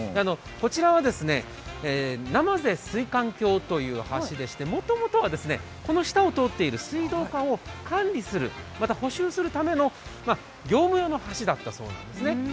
こちらは生瀬水道橋という橋でしてもともとはこの下を通っている水道管を管理するまた補修するための業務用の橋だったそうなんですね。